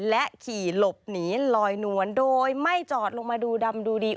และขี่หลบหนีลอยนวลโดยไม่จอดลงมาดูดำดูดี